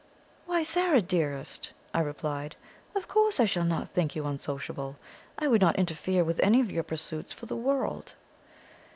"Why, Zara dearest!" I replied. "Of course I shall not think you unsociable. I would not interfere with any of your pursuits for the world."